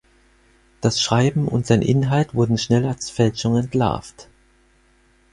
Das Schreiben und sein Inhalt wurden schnell als Fälschung entlarvt.